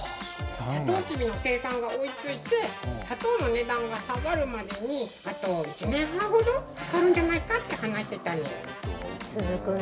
さとうきびの生産が追いついて砂糖の値段が下がるまでに１年半ほどかかるんじゃないかと話していたにゅ。